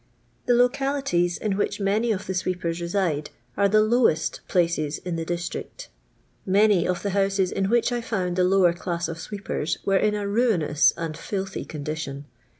The localities in which many of the sweepers reside are the "lowest" places in the district. Many of the houses in which I found the lower class of sweepers were in a ruinous and filthy con dition.